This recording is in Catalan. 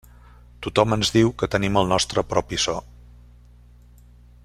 Tothom ens diu que tenim el nostre propi so.